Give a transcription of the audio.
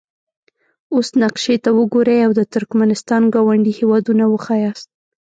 اوس نقشې ته وګورئ او د ترکمنستان ګاونډي هیوادونه وښایاست.